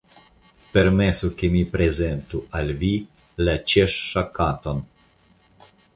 Permesu ke mi prezentu al vi la Ĉeŝŝa Katon.